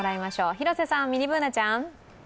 広瀬さん、ミニＢｏｏｎａちゃん。